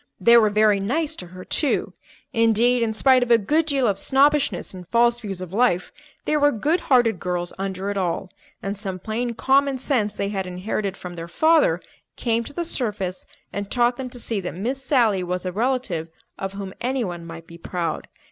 They were very nice to her, too. Indeed, in spite of a good deal of snobbishness and false views of life, they were good hearted girls under it all; and some plain common sense they had inherited from their father came to the surface and taught them to see that Miss Sally was a relative of whom anyone might be proud.